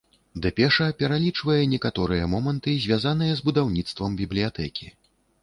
Дэпеша пералічвае некаторыя моманты, звязаныя з будаўніцтвам бібліятэкі.